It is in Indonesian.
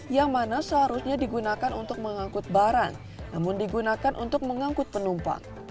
yang mana seharusnya digunakan untuk mengangkut barang namun digunakan untuk mengangkut penumpang